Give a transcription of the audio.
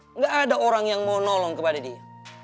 tidak ada orang yang mau nolong kepada dia